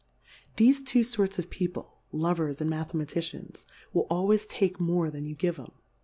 Thefe two forts of People, Lovers and Mathematicians, will always take more then you give 'em.